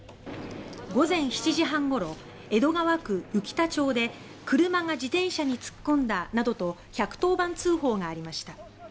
午前７時半ごろ江戸川区宇喜田町で車が自転車に突っ込んだなどと１１０番通報がありました。